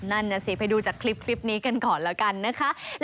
นั่นน่ะสิไปดูจากคลิปนี้กันก่อนแล้วกันนะคะ